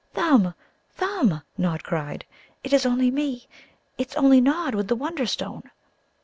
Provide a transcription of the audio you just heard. "Thumb, Thumb," Nod cried, "it's only me; it's only Nod with the Wonderstone!"